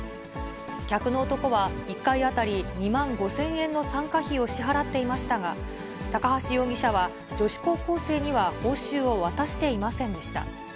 客の男は１回当たり２万５０００円の参加費を支払っていましたが、高橋容疑者は女子高校生には報酬を渡していませんでした。